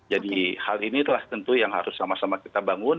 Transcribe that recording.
jadi hal ini telah tentu yang harus sama sama kita bangun